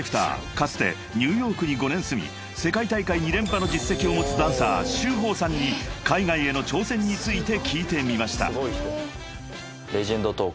かつてニューヨークに５年住み世界大会２連覇の実績を持つダンサーＳＨＵＨＯさんに海外への挑戦について聞いてみました］